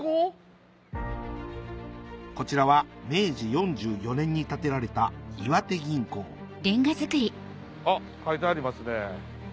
こちらは明治４４年に建てられた岩手銀行あっ書いてありますね。